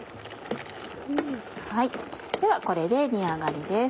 ではこれで煮上がりです。